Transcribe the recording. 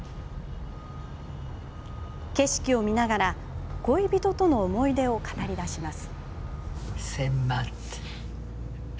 景色を見ながら恋人との思い出を語りだします。